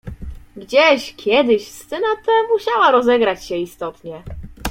"Gdzieś, kiedyś scena ta musiała rozegrać się istotnie."